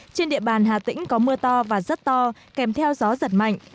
trên địa bàn hà tĩnh có mưa to và rất to kèm theo gió giật mạnh